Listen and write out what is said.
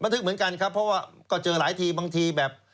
ทึกเหมือนกันครับเพราะว่าก็เจอหลายทีบางทีแบบ